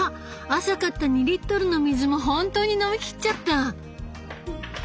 朝買った２リットルの水も本当に飲み切っちゃった！